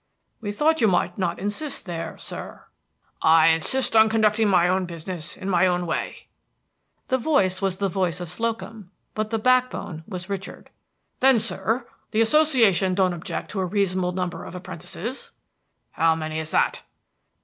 "We thought you might not insist there, sir." "I insist on conducting my own business in my own way." The voice was the voice of Slocum, but the backbone was Richard's. "Then, sir, the Association don't object to a reasonable number of apprentices." "How many is that?"